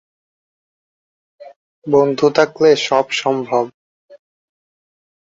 এটি "নকশা বড়ি" নামেও পরিচিত।